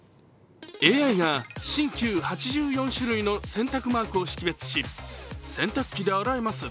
ＡＩが新旧８４種類の洗濯マークを識別し「洗濯機で洗えます」